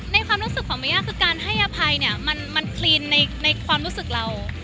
ความรู้สึกของเมย่าคือการให้อภัยเนี่ยมันคลีนในความรู้สึกเรา